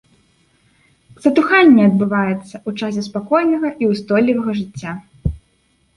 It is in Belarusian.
Затуханне адбываецца ў часе спакойнага і ўстойлівага жыцця.